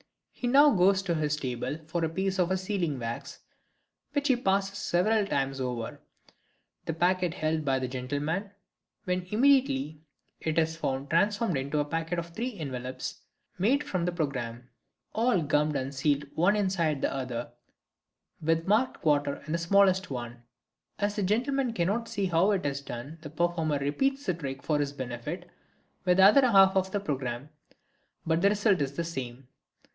He now goes to his table for a piece of sealing wax, which he passes several times over, the packet held by the gentleman, when immediately it is found transformed into a packet of three envelopes, made from the programme, all gummed and sealed one inside the other, with marked quarter in the smallest one. As the gentleman cannot see how it is done the performer repeats the trick for his benefit with the other half of the programme, but the result is the same.